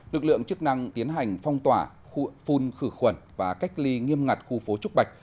lực lượng chức năng tiến hành phong tỏa phun khử khuẩn và cách ly nghiêm ngặt khu phố trúc bạch